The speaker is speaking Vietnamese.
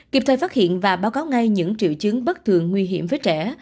kịp thời phát hiện và báo cáo ngay những triệu chứng bất thường nguy hiểm với trẻ